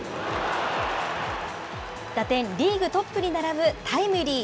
打点リーグトップに並ぶタイムリー。